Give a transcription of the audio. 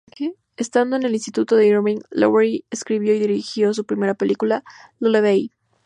Estando en el instituto de Irving, Lowery escribió y dirigió su primera película, "Lullaby".